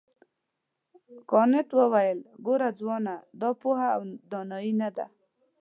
کانت وویل ګوره ځوانه دا پوهه او دانایي نه ده.